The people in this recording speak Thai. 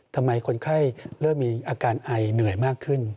ทำไมคนไข้เริ่มมีอาการไอเหนื่อยมากขึ้น